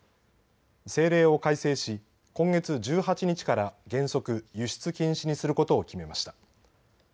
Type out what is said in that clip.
政令を改正し今月１８日から原則、輸出禁止にすることを決めました。